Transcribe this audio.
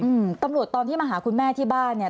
อืมตำรวจตอนที่มาหาคุณแม่ที่บ้านเนี้ย